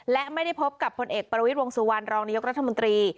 และไม่ได้พบกับผลเอกประวิทย์วงสุวรรณรองนายกรัฐมนตรี